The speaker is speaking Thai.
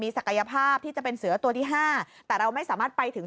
ศักยภาพที่จะเป็นเสือตัวที่ห้าแต่เราไม่สามารถไปถึง